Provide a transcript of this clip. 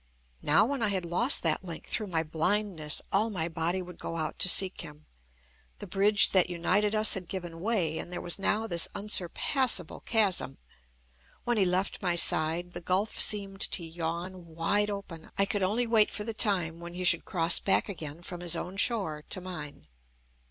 Now when I had lost that link through my blindness, all my body would go out to seek him. The bridge that united us had given way, and there was now this unsurpassable chasm. When he left my side the gulf seemed to yawn wide open. I could only wait for the time when he should cross back again from his own shore to mine.